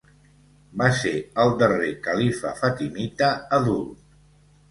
Va ser el darrer califa fatimita adult.